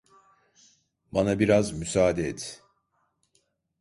Bana biraz müsaade et.